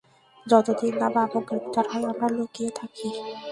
যতদিন না বাবু গ্রেপ্তার হয়, আমরা লুকিয়ে থাকি।